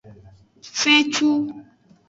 Fencu.